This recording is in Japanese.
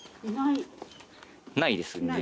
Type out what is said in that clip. ないですね